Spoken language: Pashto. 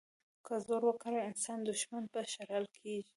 که زور وکاروي، انساني دوښمن به شړل کېږي.